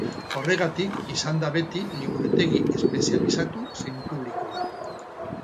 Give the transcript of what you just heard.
Horregatik izan da beti liburutegi espezializatu zein publikoa.